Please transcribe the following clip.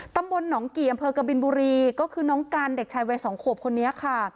ตำบลหนองกี่อำเภอกบินบุรีก็คือน้องกันเด็กชายวัยสองขวบคนนี้ค่ะ